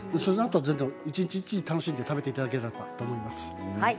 一日一日楽しんで食べていただければと思います。